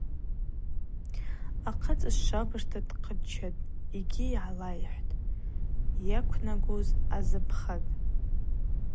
Ахъацӏа швабыжта дхъыччатӏ йгьи йгӏалайхӏвтӏ: йаквнагуз азыбхатӏ.